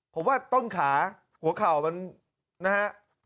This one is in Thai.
ผมว่าต้นขาหัวเข่ามันนะฮะ